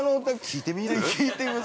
聞いてみる？